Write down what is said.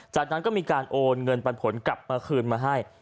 จากนั้นก็มีการโอนเงินปันผลกลับมาคืนมาให้